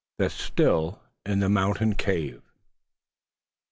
THE "STILL" IN THE MOUNTAIN CAVE.